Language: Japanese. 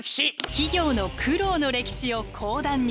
企業の苦労の歴史を講談に。